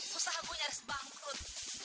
susah gue nyaris bangkrut